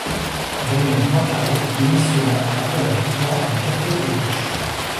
Raymond Poincaré démissionna après la victoire du Cartel des gauches.